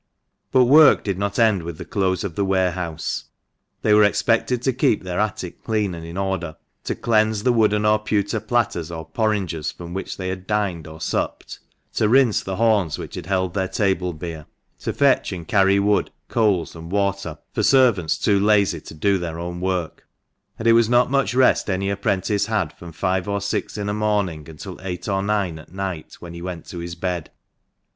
But work did not end with the close of the warehouse. They were expected to keep their attic clean and in order, to cleanse the wooden or pewter platters, or porringers, from which they had dined or supped ; to rinse the horns which had held their table beer ; to fetch and carry wood, coals, and water, for servants too lazy to do their own work ; and it was not much rest any apprentice had from five or six in a morning until eight or nine at night, when he went to his bed.